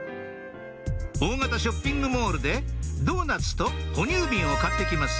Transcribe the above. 大型ショッピングモールでドーナツと哺乳瓶を買って来ます